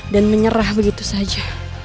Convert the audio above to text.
dan menyerah begitu saja